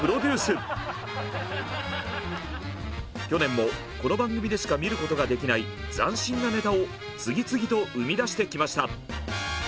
去年もこの番組でしか見ることができない斬新なネタを次々と生み出してきました。